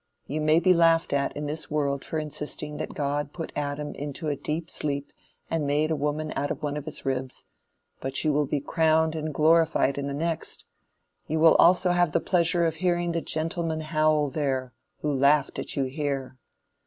You may be laughed at in this world for insisting that God put Adam into a deep sleep and made a woman out of one of his ribs, but you will be crowned and glorified in the next You will also have the pleasure of hearing the gentlemen howl there, who laughed at you here.